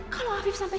kalau afif sampai